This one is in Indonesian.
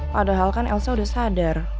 padahal kan elsa sudah sadar